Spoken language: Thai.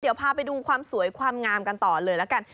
เดี๋ยวพาไปดูความสวยความงามกันต่อเลยละกัน